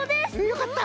よかった。